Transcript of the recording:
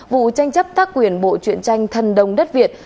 vụ tranh chấp tác quyền bộ truyện tranh thần đông đất việt